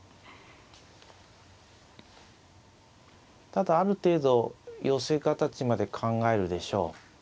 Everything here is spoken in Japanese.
ただある程度寄せ形まで考えるでしょう。